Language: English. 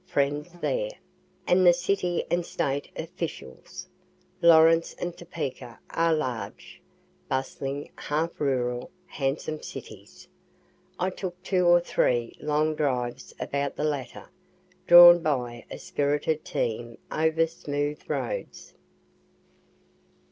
friends there, and the city and State officials. Lawrence and Topeka are large, bustling, half rural, handsome cities. I took two or three long drives about the latter, drawn by a spirited team over smooth roads.